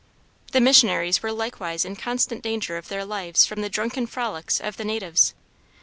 The missionaries were likewise in constant danger of their lives from the drunken frolics of the natives.